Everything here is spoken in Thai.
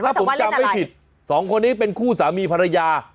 ถ้าผมจำไม่ผิดสองคนนี้เป็นคู่สามีภรรยา